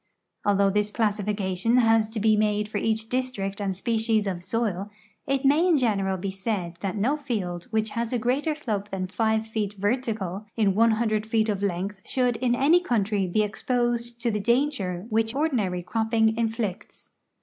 Although this classification has to be made for each district and species of soil, it may in general be said that no field which has a greater sloi)e than five feet vertical in one hundred feet of length should in any countiy be exj)Osed to the danger which ordinary cropping inflicts.